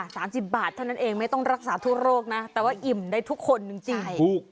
จ้า๓๐บาทเท่านั้นเองไม่ต้องรักษาทุกโลกนะแต่ว่าอิ่มได้ทุกคนจริง